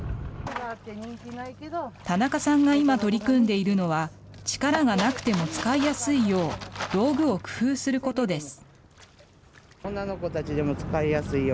田中さんが今、取り組んでいるのは、力がなくても使いやすいよう、道具を工夫することです。